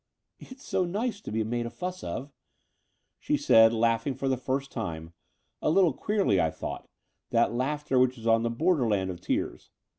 "It's so nice to be made a fuss of," she said, laughing for the first time — a little queerly, I thought, that laughter which is on the borderland of tears.